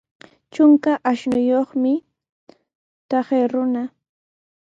Trunka ashnuyuqmi taqay runa.